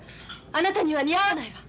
あなたには似合わないわ。